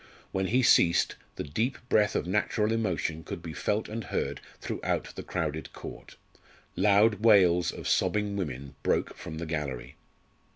When he ceased, the deep breath of natural emotion could be felt and heard throughout the crowded court; loud wails of sobbing women broke from the gallery.